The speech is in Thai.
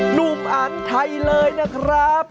หนูอันไทยเลยนะครับ